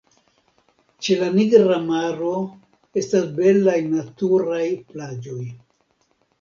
Ĉe la Nigra Maro estas belaj naturaj plaĝoj.